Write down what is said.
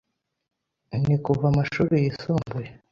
Nzi kuva amashuri yisumbuye.